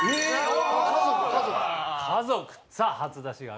「家族」。